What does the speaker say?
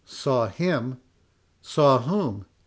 "Saw him—saw whom?"